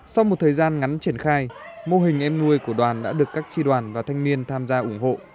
sau một thời gian ngắn triển khai mô hình em nuôi của đoàn đã được các tri đoàn và thanh niên tham gia ủng hộ